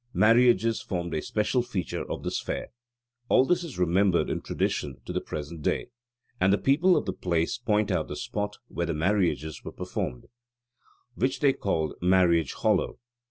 Marriages formed a special feature of this fair. All this is remembered in tradition to the present day: and the people of the place point out the spot where the marriages were performed, which they call 'Marriage Hollow.